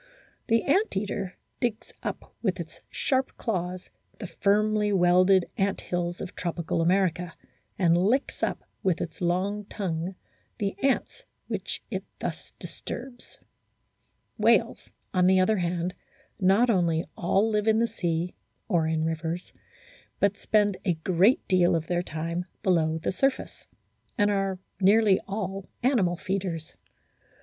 The ant eater digs up with its sharp claws the firmly welded ant hills of tropical America, and licks up with its long tongue the ants which it thus disturbs. Whales, on the other hand, not only all live in the sea (or in rivers), but spend a great deal of their time below the surface, and are nearly all animal feeders.